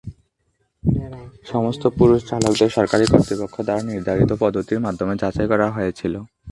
সমস্ত পুরুষ চালকদের সরকারি কর্তৃপক্ষ দ্বারা নির্ধারিত পদ্ধতির মাধ্যমে যাচাই করা হয়েছিল।